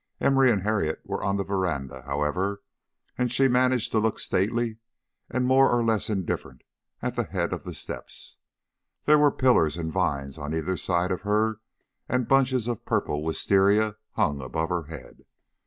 Emory and Harriet were on the veranda, however, and she managed to look stately and more or less indifferent at the head of the steps. There were pillars and vines on either side of her, and bunches of purple wistaria hung above her head.